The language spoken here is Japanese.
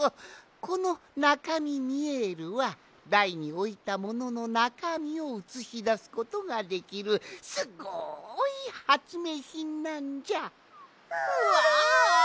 このナカミミエルはだいにおいたもののなかみをうつしだすことができるすごいはつめいひんなんじゃ。わ！